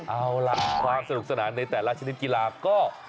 เอาล่ะความสนุกสนานในแต่ละชนิดกีฬาก็